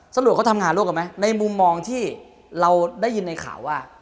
ตำรวจเขาทำงานร่วมกันไหมในมุมมองที่เราได้ยินในข่าวว่า